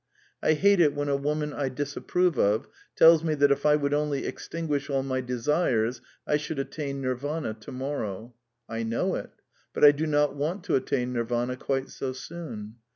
I hate it when a woman I disap prove of tells me that if I would only extin^iish all my desires I should attain ITirvana to morrowT I know it But I do not want to attain Nirvana quite so soon.